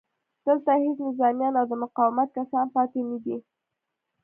دلته هېڅ نظامیان او د مقاومت کسان پاتې نه دي